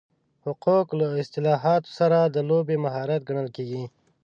حقوق له اصطلاحاتو سره د لوبې مهارت ګڼل کېږي.